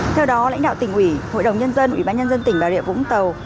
theo đó lãnh đạo tỉnh ủy hội đồng nhân dân ủy ban nhân dân tỉnh bà rịa vũng tàu